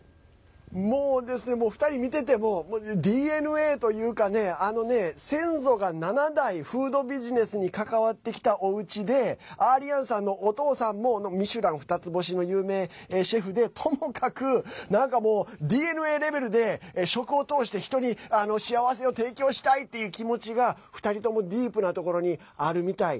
もう、２人見ててもＤＮＡというかね先祖が７代フードビジネスに関わってきたおうちでアリアンさんのお父さんもミシュラン２つ星の有名シェフでともかくなんかもうＤＮＡレベルで食を通して、人に幸せを提供したいっていう気持ちが２人ともディープなところにあるみたい。